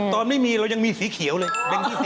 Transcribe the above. ตอนไม่มีเรายังมีสีเขียวเลยแบงค์๒๐